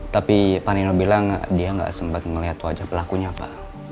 tapi panino bilang dia nggak sempat melihat wajah pelakunya apa